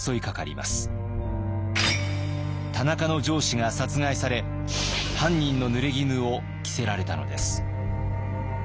田中の上司が殺害され犯人のぬれぎぬを着せられたのです。